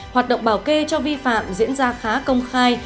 hoạt động bảo kê cho vi phạm diễn ra khá công khai